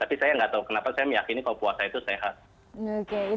tapi saya nggak tahu kenapa saya meyakini kalau puasa itu sehat